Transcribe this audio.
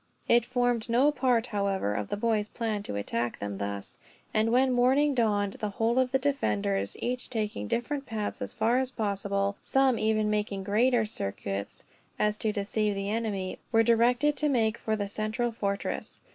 It formed no part, however, of the boys' plan to attack them thus; and when morning dawned the whole of the defenders, each taking different paths, as far as possible; some even making great circuits, so as to deceive the enemy, were directed to make for the central fortress.